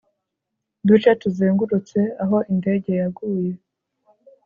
duce tuzengurutse aho indege yaguye